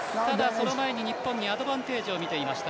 その前に日本にアドバンテージをみていました。